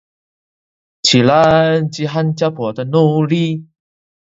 起来，饥寒交迫的奴隶！